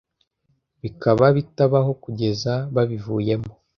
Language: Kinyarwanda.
Bikaba bitabaho kugeza babivuyemo.